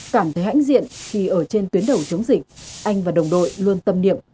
cảm thấy hãnh diện khi ở trên tuyến đầu chống dịch anh và đồng đội luôn tâm niệm